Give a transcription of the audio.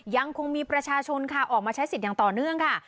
ยังคงมีประชาชนค่ะออกมาใช้สิทธิ์อย่างต่อเนื่องค่ะ